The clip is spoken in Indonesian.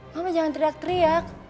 mama jangan teriak teriak